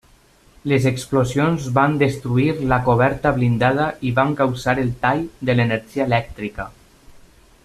Les explosions van destruir la coberta blindada i van causar el tall de l'energia elèctrica.